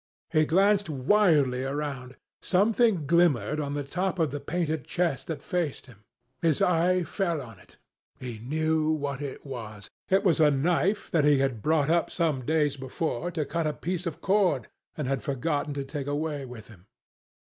He glanced wildly around. Something glimmered on the top of the painted chest that faced him. His eye fell on it. He knew what it was. It was a knife that he had brought up, some days before, to cut a piece of cord, and had forgotten to take away with him.